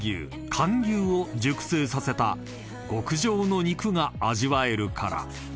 韓牛を熟成させた極上の肉が味わえるから］